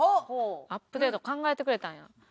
アップデート考えてくれたんや。